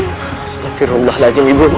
astagfirullahaladzim ibu nda